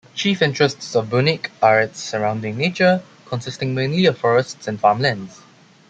Chief interests of Bunnik are its surrounding nature, consisting mainly of forests and farmlands.